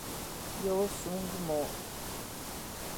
Jo Sung-mo